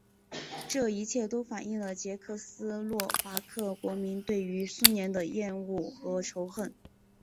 这一切都反映了捷克斯洛伐克国民对于苏联的厌恶和仇恨。